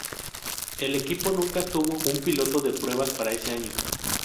El equipo nunca tuvo un piloto de pruebas para ese año.